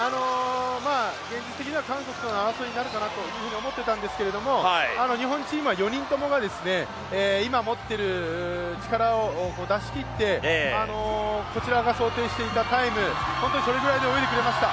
現実的には韓国との争いになるかなというふうに思っていたんですけれども、日本チームは４人ともが今持っている力を出し切って、こちらが想定していたタイム、本当にそれぐらいで泳いでくれました。